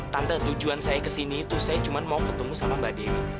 tante tujuan saya kesini itu saya cuma mau ketemu sama mbak dewi